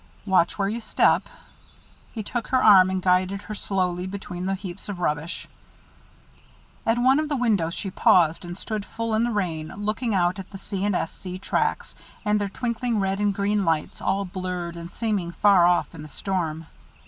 "Watch where you step." He took her arm and guided her slowly between the heaps of rubbish. At one of the windows she paused, and stood full in the rain, looking out at the C. & S. C. tracks, with their twinkling red and green lights, all blurred and seeming far off in the storm.